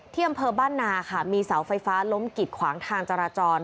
อำเภอบ้านนาค่ะมีเสาไฟฟ้าล้มกิดขวางทางจราจร